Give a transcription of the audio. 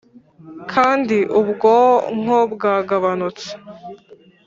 kandi ubwonko bwagabanutse